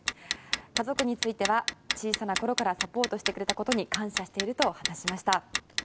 家族については小さな頃からサポートしてくれたことに感謝していると話しました。